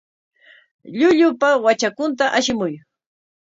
Llullupa watrakunta ashimuy.